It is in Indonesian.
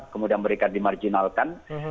kemudian mereka dimarjinalkan